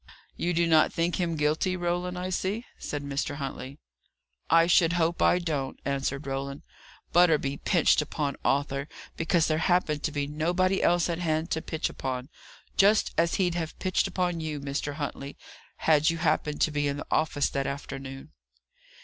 "You do not think him guilty, Roland, I see," said Mr. Huntley. "I should hope I don't," answered Roland. "Butterby pitched upon Arthur, because there happened to be nobody else at hand to pitch upon; just as he'd have pitched upon you, Mr. Huntley, had you happened to be in the office that afternoon."